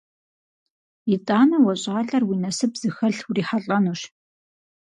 ИтӀанэ уэ щӀалэр уи насып зыхэлъ урихьэлӀэнущ.